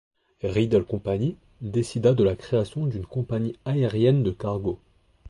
Riddle Company, décida de la création d'une compagnie aérienne cargo.